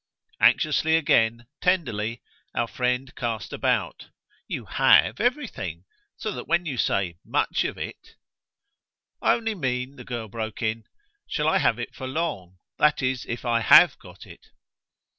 Anxiously again, tenderly, our friend cast about. "You 'have' everything; so that when you say 'much' of it " "I only mean," the girl broke in, "shall I have it for long? That is if I HAVE got it."